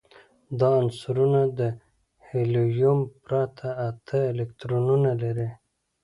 دا عنصرونه له هیلیوم پرته اته الکترونونه لري.